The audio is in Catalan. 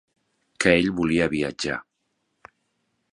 Que ell volia viatjar.